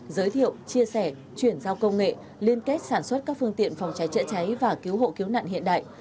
giới thiệu chia sẻ chuyển giao công nghệ liên kết sản xuất các phương tiện phòng cháy chữa cháy và cứu hộ cứu nạn hiện đại